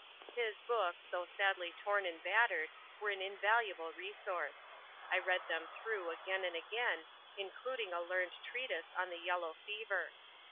His books, though sadly torn and battered, were an invaluable resource. I read them through again and again, including a learned treatise on the yellow fever.